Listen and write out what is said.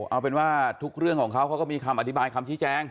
เอาเป็นว่าทุกเรื่องของเขาเขาก็มีคำอธิบายคำชี้แจง